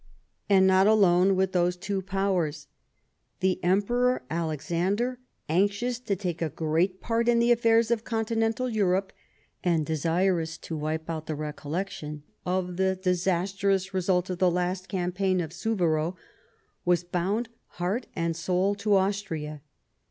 And not alone with those two powers. The Emperor Alexander, anxious to take a great part in the affairs of continental Europe, and desirous to wipe out the recollection of the disastrous result of the last campaign of Suwarrow, was bound, heart and soul, to Austria.